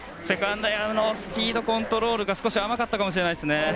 セカンドエアのスピードコントロールが少し甘かったかもしれないですね。